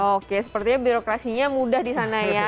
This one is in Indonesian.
oke sepertinya birokrasinya mudah di sana ya